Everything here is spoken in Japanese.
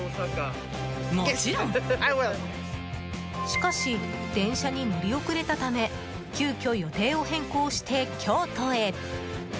しかし、電車に乗り遅れたため急きょ、予定を変更して京都へ。